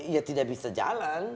ya tidak bisa jalan